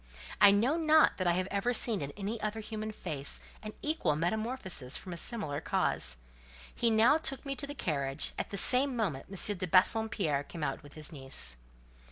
I know not that I have ever seen in any other human face an equal metamorphosis from a similar cause. He now took me to the carriage: at the same moment M. de Bassompierre came out with his niece.